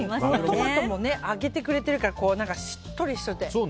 トマトも揚げてくれてるからしっとりしてて。